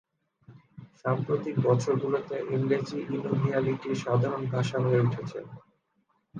সাম্প্রতিক বছরগুলোতে ইংরেজি ইনুভিয়ালিটির সাধারণ ভাষা হয়ে উঠেছে।